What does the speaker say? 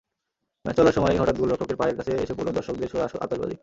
Match চলার সময়ই হঠাৎ গোলরক্ষকের পায়ের কাছে এসে পড়ল দর্শকদের ছোড়া আতশবাজি।